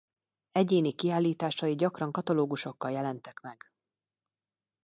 Egyéni kiállításai gyakran katalógusokkal jelentek meg.